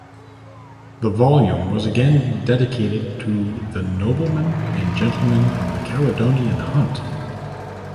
The volume was again dedicated to the "Noblemen and Gentlemen of the Caledonian Hunt".